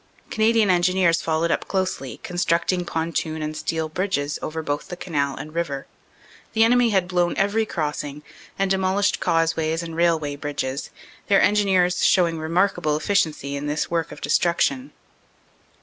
Canadian Engineers followed up closely, constructing pontoon and steel bridges over both the canal and river. The enemy had blown every crossing and demolished causeways and railway bridges, their engineers showing remarkable efficiency in this work of destruction.